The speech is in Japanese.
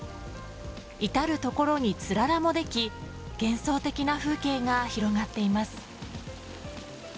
至るところにつららもでき幻想的な風景が広がっています。